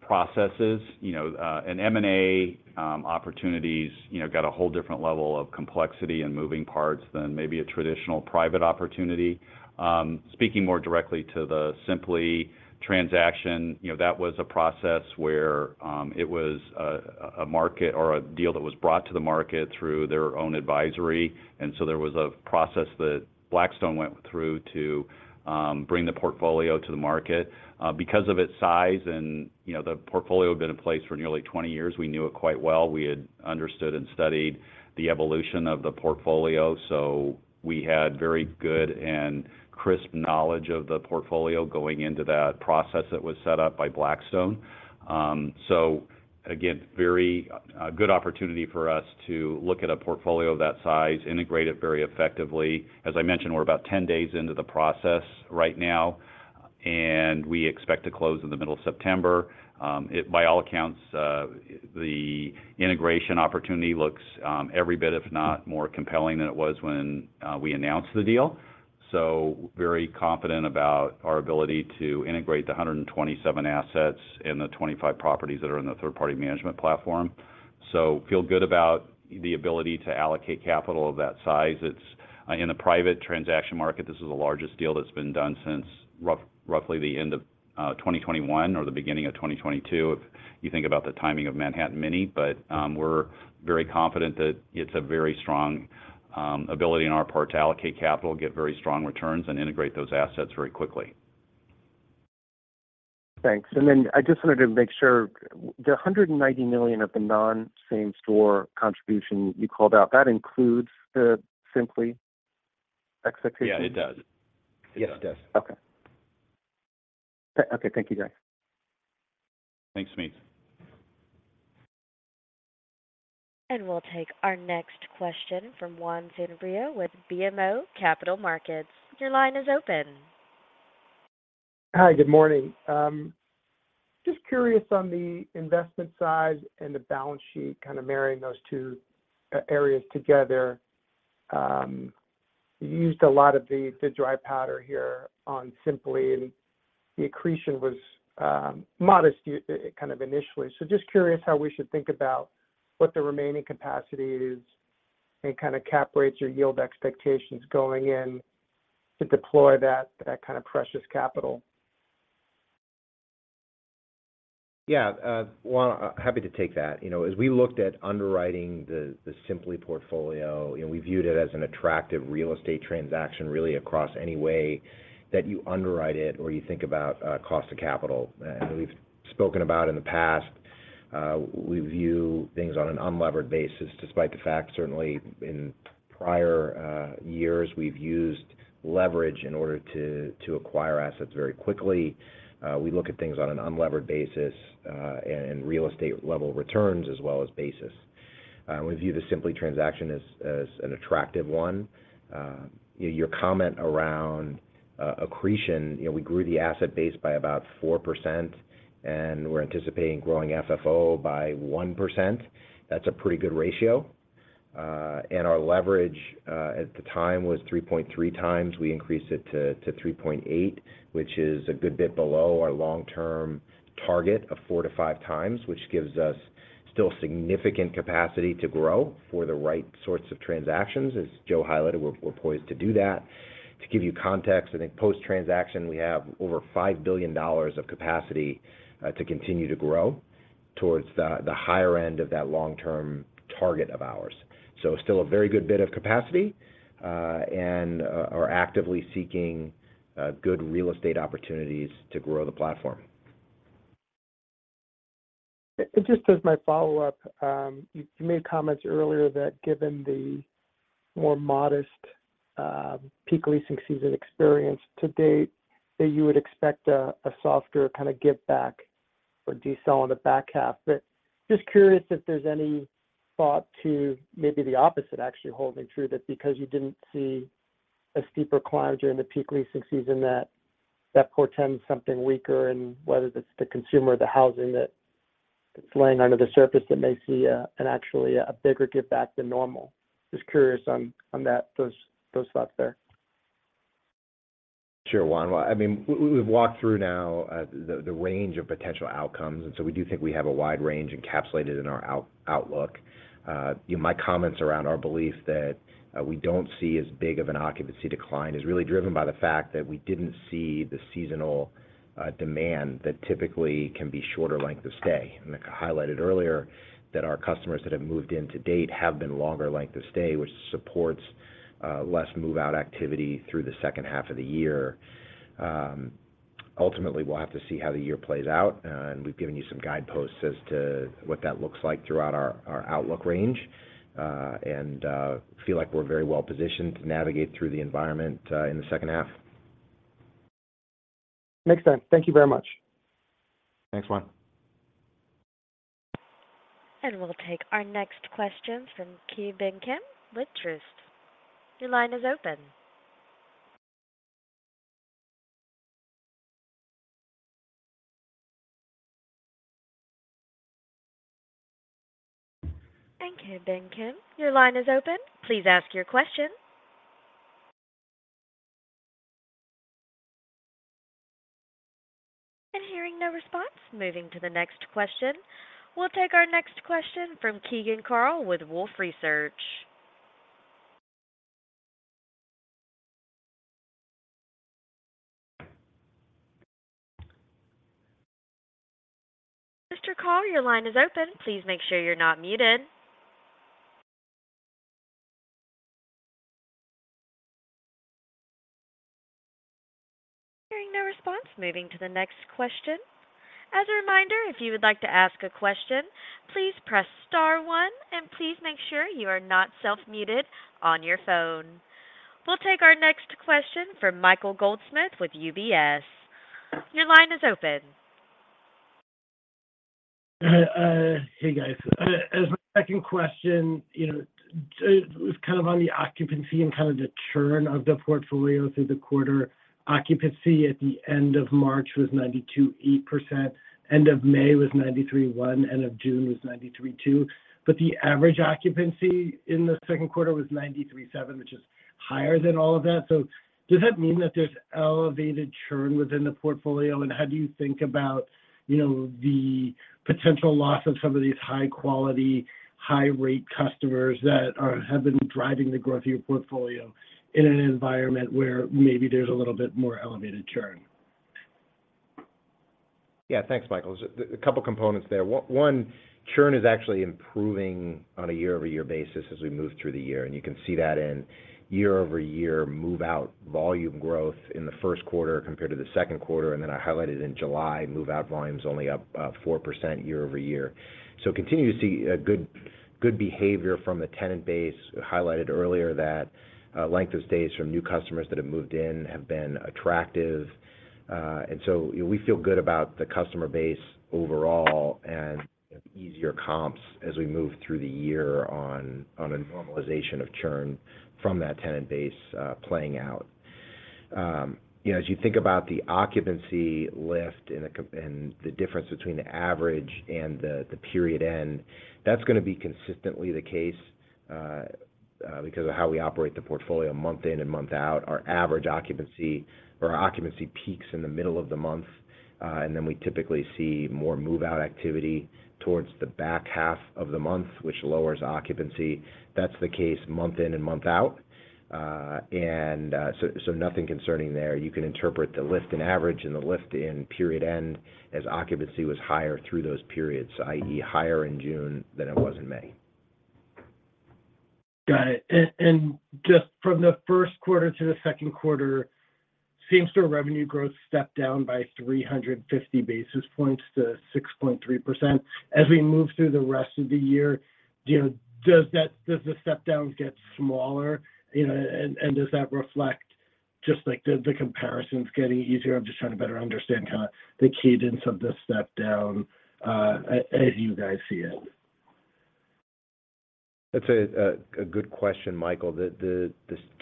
processes. You know, an M&A, opportunities, you know, got a whole different level of complexity and moving parts than maybe a traditional private opportunity. Speaking more directly to the Simply transaction, you know, that was a process where, it was a, a market or a deal that was brought to the market through their own advisory. There was a process that Blackstone went through to, bring the portfolio to the market. Because of its size and, you know, the portfolio had been in place for nearly 20 years, we knew it quite well. We had understood and studied the evolution of the portfolio, so we had very good and crisp knowledge of the portfolio going into that process that was set up by Blackstone. Again, very, a good opportunity for us to look at a portfolio of that size, integrate it very effectively. As I mentioned, we're about 10 days into the process right now, and we expect to close in the middle of September. It by all accounts, the integration opportunity looks every bit, if not more compelling than it was when we announced the deal. Very confident about our ability to integrate the 127 assets in the 25 properties that are in the third-party management platform. Feel good about the ability to allocate capital of that size. It's in the private transaction market, this is the largest deal that's been done since roughly the end of 2021 or the beginning of 2022, if you think about the timing of Manhattan Mini. We're very confident that it's a very strong ability on our part to allocate capital, get very strong returns, and integrate those assets very quickly. Thanks. Then I just wanted to make sure, the $190 million of the non-same store contribution you called out, that includes the Simply execution? Yeah, it does. Yes, it does. Okay. Okay, thank you, guys. Thanks, Smedes. We'll take our next question from Juan Sanabria with BMO Capital Markets. Your line is open. Hi, good morning. Just curious on the investment side and the balance sheet, kind of marrying those two areas together. You used a lot of the dry powder here on Simply, and the accretion was modest kind of initially. Just curious how we should think about what the remaining capacity is, and kind of cap rates, your yield expectations going in to deploy that kind of precious capital? Yeah, Juan, happy to take that. You know, as we looked at underwriting the Simply Portfolio, you know, we viewed it as an attractive real estate transaction, really, across any way that you underwrite it or you think about cost of capital. We've spoken about in the past, we view things on an unlevered basis, despite the fact, certainly in prior years, we've used leverage in order to acquire assets very quickly. We look at things on an unlevered basis, and real estate level returns as well as basis. We view the Simply transaction as an attractive one. Your comment around accretion, you know, we grew the asset base by about 4%, and we're anticipating growing FFO by 1%. That's a pretty good ratio. And our leverage at the time was 3.3x. We increased it to 3.8x, which is a good bit below our long-term target of 4x-5x, which gives us still significant capacity to grow for the right sorts of transactions. As Joe highlighted, we're poised to do that. To give you context, I think post-transaction, we have over $5 billion of capacity to continue to grow towards the higher end of that long-term target of ours. Still a very good bit of capacity and are actively seeking good real estate opportunities to grow the platform. Just as my follow-up, you made comments earlier that given the more modest peak leasing season experience to date, that you would expect a softer kind of giveback or decel in the back half. Just curious if there's any thought to maybe the opposite actually holding true, that because you didn't see a steeper climb during the peak leasing season, that that portends something weaker, and whether that's the consumer or the housing, that it's laying under the surface, that may see an actually a bigger giveback than normal. Just curious on that, those, those thoughts there. Sure, Juan. Well, I mean, we've walked through now, the range of potential outcomes, so we do think we have a wide range encapsulated in our outlook. You know, my comments around our belief that we don't see as big of an occupancy decline is really driven by the fact that we didn't see the seasonal demand that typically can be shorter length of stay. I highlighted earlier that our customers that have moved in to date have been longer length of stay, which supports less move-out activity through the second half of the year. Ultimately, we'll have to see how the year plays out, and we've given you some guideposts as to what that looks like throughout our, our outlook range. Feel like we're very well positioned to navigate through the environment, in the second half. Makes sense. Thank you very much. Thanks, Juan. We'll take our next question from Ki Bin Kim with Truist. Your line is open. Okay, Ki Bin Kim, your line is open. Please ask your question. Hearing no response, moving to the next question. We'll take our next question from Keegan Carl with Wolfe Research. Mr. Carl, your line is open. Please make sure you're not muted. Hearing no response, moving to the next question. As a reminder, if you would like to ask a question, please press star one, and please make sure you are not self-muted on your phone. We'll take our next question from Michael Goldsmith with UBS. Your line is open. Hey, guys. As my second question, you know, was kind of on the occupancy and kind of the churn of the portfolio through the quarter. Occupancy at the end of March was 92.8%, end of May was 93.1%, end of June was 93.2%, but the average occupancy in the second quarter was 93.7%, which is higher than all of that. Does that mean that there's elevated churn within the portfolio? How do you think about, you know, the potential loss of some of these high-quality, high-rate customers that have been driving the growth of your portfolio in an environment where maybe there's a little bit more elevated churn? Yeah. Thanks, Michael. Just a, a couple components there. One, one, churn is actually improving on a year-over-year basis as we move through the year, and you can see that in year-over-year move-out volume growth in the first quarter compared to the second quarter. Then I highlighted in July, move-out volume's only up, up 4% year over year. Continue to see a good, good behavior from the tenant base. Highlighted earlier that length of stays from new customers that have moved in have been attractive, and so we feel good about the customer base overall and easier comps as we move through the year on, on a normalization of churn from that tenant base playing out. You know, as you think about the occupancy lift and the and the difference between the average and the period end, that's gonna be consistently the case because of how we operate the portfolio month in and month out. Our average occupancy or our occupancy peaks in the middle of the month, and then we typically see more move-out activity towards the back half of the month, which lowers occupancy. That's the case month in and month out, and, so, so nothing concerning there. You can interpret the lift in average and the lift in period end as occupancy was higher through those periods, i.e., higher in June than it was in May. Got it. Just from the first quarter to the second quarter, same-store revenue growth stepped down by 350 basis points to 6.3%. As we move through the rest of the year, do you know, does that does the step down get smaller? You know, and does that reflect just, like, the, the comparisons getting easier? I'm just trying to better understand kind of the cadence of the step down as you guys see it. That's a good question, Michael. The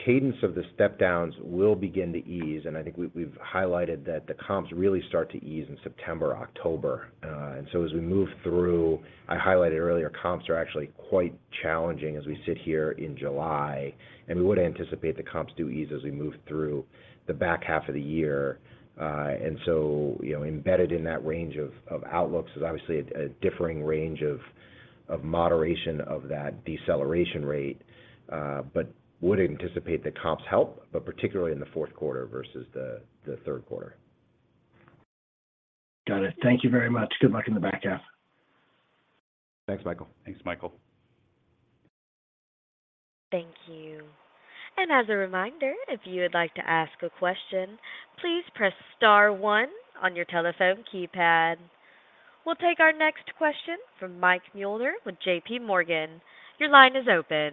cadence of the step downs will begin to ease, I think we've highlighted that the comps really start to ease in September, October. As we move through. I highlighted earlier, comps are actually quite challenging as we sit here in July, we would anticipate the comps do ease as we move through the back half of the year. You know, embedded in that range of outlooks is obviously a differing range of moderation of that deceleration rate, but would anticipate the comps help, but particularly in the fourth quarter versus the third quarter. Got it. Thank you very much. Good luck in the back half. Thanks, Michael. Thanks, Michael. Thank you. As a reminder, if you would like to ask a question, please press star one on your telephone keypad. We'll take our next question from Mike Mueller with JPMorgan. Your line is open.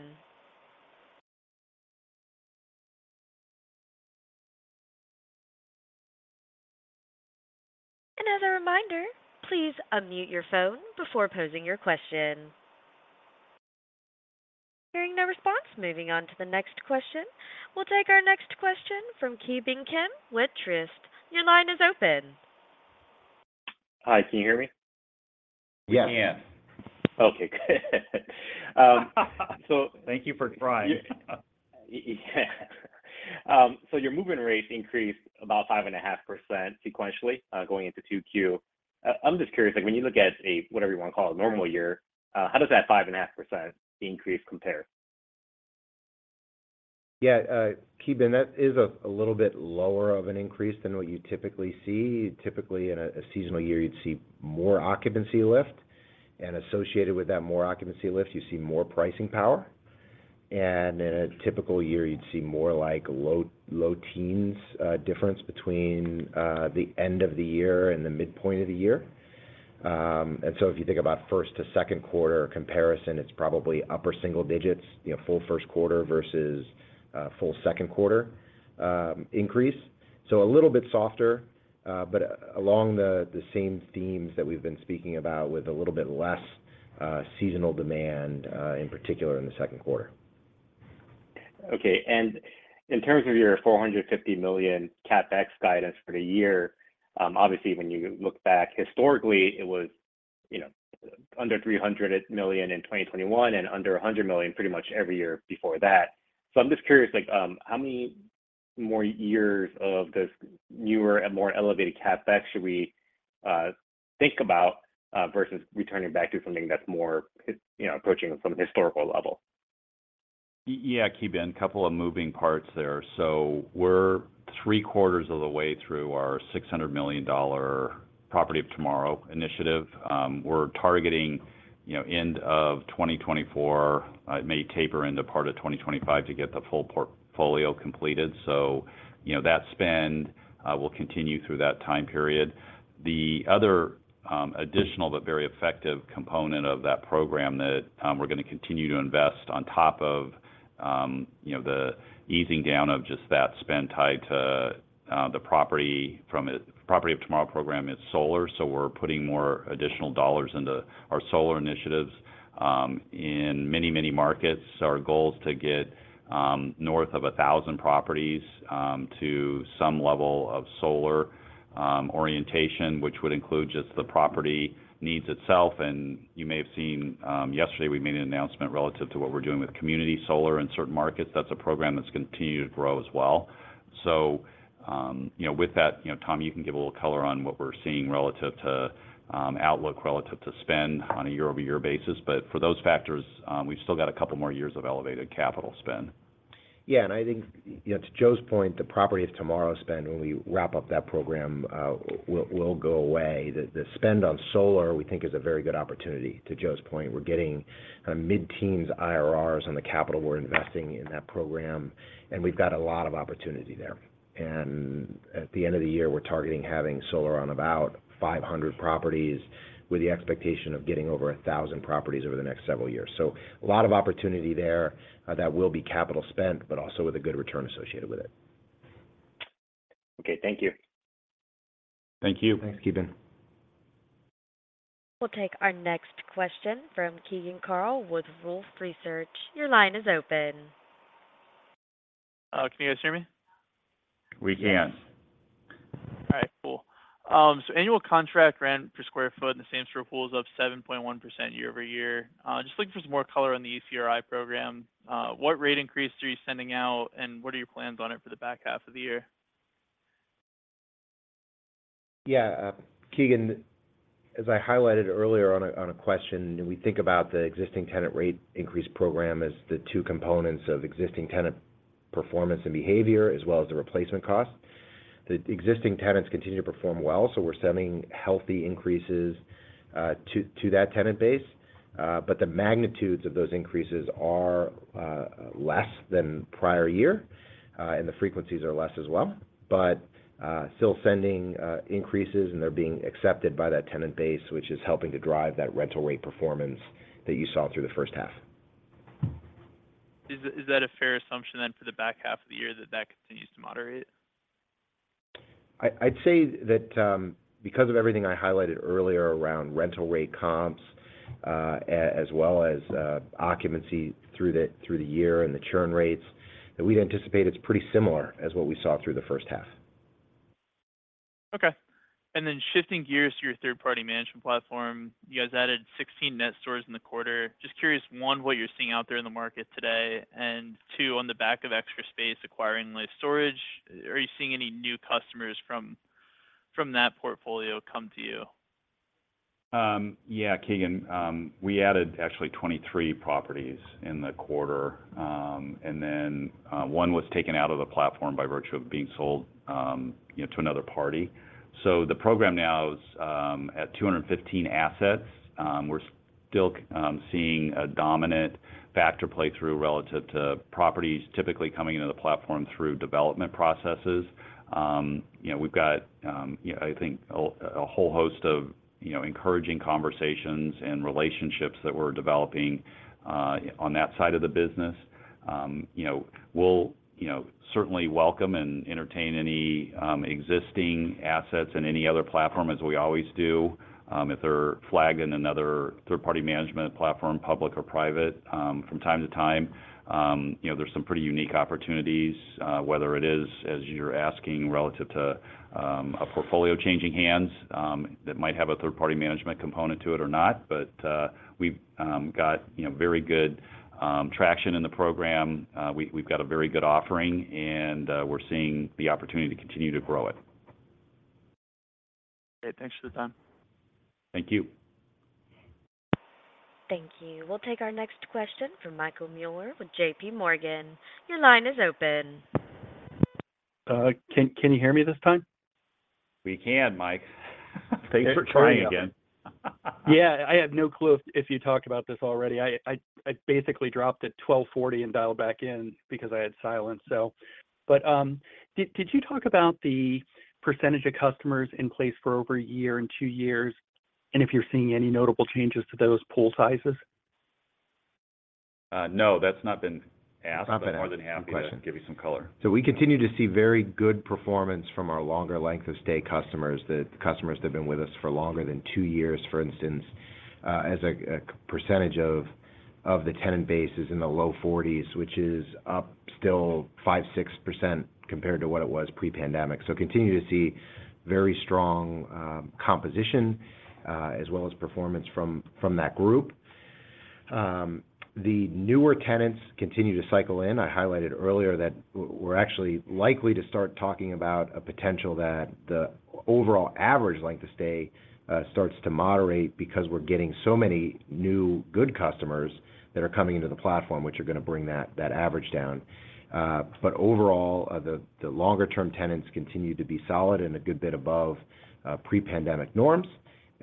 As a reminder, please unmute your phone before posing your question. Hearing no response, moving on to the next question. We'll take our next question from Ki Bin Kim with Truist. Your line is open. Hi, can you hear me? Yes. We can. Okay, good. Thank you for trying. Yeah. Your movement rate increased about 5.5% sequentially, going into 2Q. I'm just curious, like, when you look at a, whatever you want to call it, normal year, how does that 5.5% increase compare? Yeah, Ki Bin, that is a little bit lower of an increase than what you typically see. Typically, in a seasonal year, you'd see more occupancy lift, and associated with that more occupancy lift, you see more pricing power. In a typical year, you'd see more like low, low teens difference between the end of the year and the midpoint of the year. If you think about 1st to 2nd quarter comparison, it's probably upper single digits, you know, full 1st quarter versus full 2nd quarter increase. A little bit softer, but along the same themes that we've been speaking about with a little bit less seasonal demand in particular in the 2nd quarter. Okay, in terms of your $450 million CapEx guidance for the year, obviously, when you look back historically, it was, you know, under $300 million in 2021, and under $100 million pretty much every year before that. I'm just curious, like, how many more years of this newer and more elevated CapEx should we think about versus returning back to something that's more, you know, approaching some historical level? Yeah, Keith, a couple of moving parts there. We're three quarters of the way through our $600 million Property of Tomorrow initiative. We're targeting, you know, end of 2024. It may taper into part of 2025 to get the full portfolio completed. You know, that spend will continue through that time period. The other, additional, but very effective component of that program that we're going to continue to invest on top of, you know, the easing down of just that spend tied to the Property of Tomorrow program is solar. We're putting more additional dollars into our solar initiatives in many, many markets. Our goal is to get north of 1,000 properties to some level of solar orientation, which would include just the property needs itself. You may have seen, yesterday, we made an announcement relative to what we're doing with community solar in certain markets. That's a program that's continued to grow as well. You know, with that, you know, Tom, you can give a little color on what we're seeing relative to outlook, relative to spend on a year-over-year basis. For those factors, we've still got a couple more years of elevated capital spend. I think, you know, to Joe's point, the Property of Tomorrow spend, when we wrap up that program, will, will go away. The, the spend on solar, we think, is a very good opportunity. To Joe's point, we're getting mid-teens IRRs on the capital we're investing in that program, and we've got a lot of opportunity there. At the end of the year, we're targeting having solar on about 500 properties, with the expectation of getting over 1,000 properties over the next several years. A lot of opportunity there, that will be capital spent, but also with a good return associated with it. Okay. Thank you. Thank you. Thanks, Kim. We'll take our next question from Keegan Carl with Wolfe Research. Your line is open. Can you guys hear me? We can. All right, cool. Annual contract rent per square foot in the same-store pool is up 7.1% year-over-year. Just looking for some more color on the ECRI program. What rate increase are you sending out, and what are your plans on it for the back half of the year? Yeah, Keegan, as I highlighted earlier on a, on a question, we think about the existing customer rate increase program as the two components of existing tenant performance and behavior, as well as the replacement cost. The existing tenants continue to perform well, so we're sending healthy increases to that tenant base. The magnitudes of those increases are less than prior year, and the frequencies are less as well. Still sending increases, and they're being accepted by that tenant base, which is helping to drive that rental rate performance that you saw through the first half. Is that, is that a fair assumption then, for the back half of the year, that that continues to moderate? I, I'd say that because of everything I highlighted earlier around rental rate comps, as well as occupancy through the, through the year and the churn rates, that we'd anticipate it's pretty similar as what we saw through the first half. Okay. Shifting gears to your third-party management platform, you guys added 16 net stores in the quarter. Just curious, one, what you're seeing out there in the market today, and two, on the back of Extra Space acquiring Life Storage, are you seeing any new customers from that portfolio come to you? Yeah, Keegan, we added actually 23 properties in the quarter, and then one was taken out of the platform by virtue of being sold, you know, to another party. The program now is at 215 assets. We're still seeing a dominant factor play through relative to properties typically coming into the platform through development processes. You know, we've got, I think a whole host of encouraging conversations and relationships that we're developing on that side of the business. You know, we'll certainly welcome and entertain any existing assets in any other platform, as we always do, if they're flagged in another third-party management platform, public or private. From time to time, you know, there's some pretty unique opportunities, whether it is, as you're asking, relative to a portfolio changing hands, that might have a third-party management component to it or not. We've got, you know, very good traction in the program. We, we've got a very good offering, and we're seeing the opportunity to continue to grow it. Okay. Thanks for the time. Thank you. Thank you. We'll take our next question from Michael Mueller with JPMorgan. Your line is open. Can, can you hear me this time? We can, Mike. Thanks for trying again. They're trying. Yeah, I have no clue if, if you talked about this already. I basically dropped at 12:40 and dialed back in because I had silence. Did you talk about the percentage of customers in place for over one year and two years, and if you're seeing any notable changes to those pool sizes? No, that's not been asked. Not been asked. I'm more than happy to give you some color. We continue to see very good performance from our longer length of stay customers. The customers that have been with us for longer than two years, for instance, as a percentage of the tenant base is in the low 40s, which is up still 5%, 6% compared to what it was pre-pandemic. Continue to see very strong composition, as well as performance from, from that group. The newer tenants continue to cycle in. I highlighted earlier that we're actually likely to start talking about a potential that the overall average length of stay starts to moderate because we're getting so many new, good customers that are coming into the platform, which are gonna bring that, that average down. Overall, the, the longer term tenants continue to be solid and a good bit above pre-pandemic norms,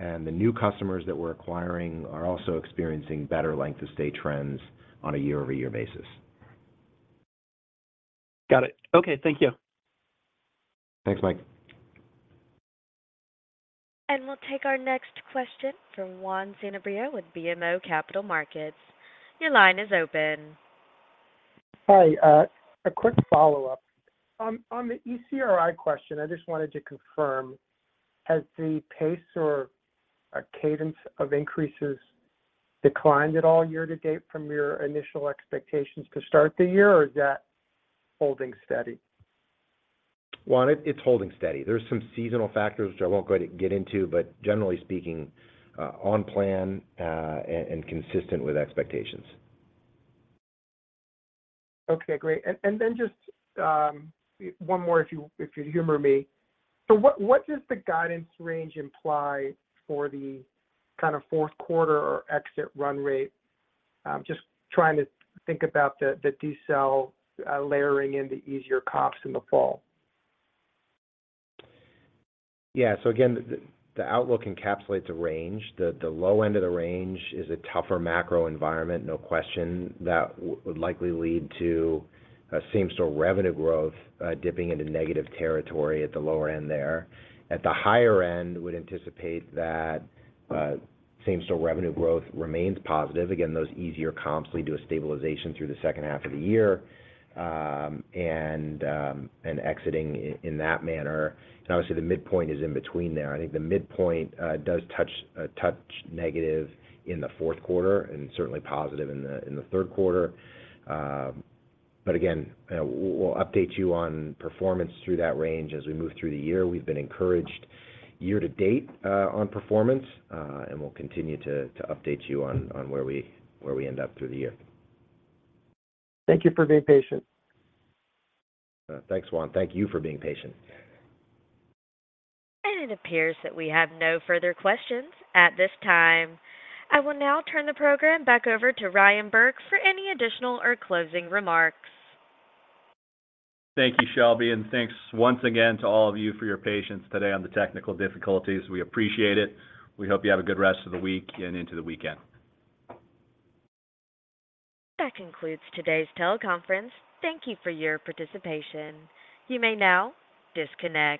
and the new customers that we're acquiring are also experiencing better length of stay trends on a year-over-year basis. Got it. Okay, thank you. Thanks, Mike. We'll take our next question from Juan Sanabria with BMO Capital Markets. Your line is open. Hi, a quick follow-up. On the ECRI question, I just wanted to confirm, has the pace or cadence of increases declined at all year to date from your initial expectations to start the year, or is that holding steady? Juan, it, it's holding steady. There's some seasonal factors, which I won't go to get into, but generally speaking, on plan, and, and consistent with expectations. Okay, great. Then just one more, if you, if you humor me. What, what does the guidance range imply for the kind of fourth quarter or exit run rate? I'm just trying to think about the, the decel, layering in the easier comps in the fall. Again, the outlook encapsulates a range. The low end of the range is a tougher macro environment, no question. That would likely lead to same-store revenue growth dipping into negative territory at the lower end there. At the higher end, would anticipate that same-store revenue growth remains positive. Again, those easier comps lead to a stabilization through the second half of the year, and exiting in that manner. Obviously, the midpoint is in between there. I think the midpoint does touch negative in the fourth quarter, and certainly positive in the third quarter. But again, we'll update you on performance through that range as we move through the year. We've been encouraged year to date on performance, and we'll continue to update you on where we end up through the year. Thank you for being patient. Thanks, Juan. Thank you for being patient. It appears that we have no further questions at this time. I will now turn the program back over to Ryan Burke for any additional or closing remarks. Thank you, Shelby, and thanks once again to all of you for your patience today on the technical difficulties. We appreciate it. We hope you have a good rest of the week and into the weekend. That concludes today's teleconference. Thank you for your participation. You may now disconnect.